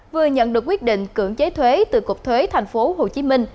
vừa nhận được quyết định cưỡng chế thuế từ cục thuế thành phố hồ chí minh